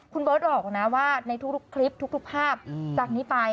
คุณเบิร์ตบอกนะว่าในทุกคลิปทุกภาพจากนี้ไป